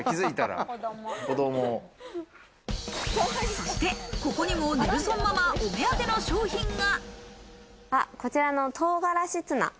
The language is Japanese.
そして、ここにもネルソンママお目当ての商品が。